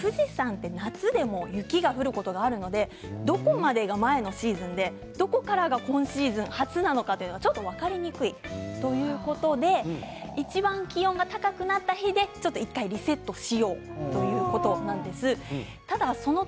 富士山って夏でも雪が降ることがあるのでどこまでが前のシーズンでどこからが今シーズン初なのかちょっと分かりにくいということでいちばん気温が高くなった日で１回リセットしようということなんです。